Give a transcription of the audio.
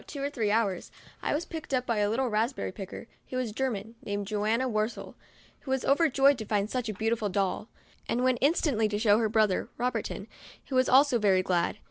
11 two or three hours, I was picked up by a little raspberry picker, who was a German, named Johanna Worstel, who was over joyed to find such a beautiful doll, and went instantly to show her brother, Ro bertin, who was also very glad.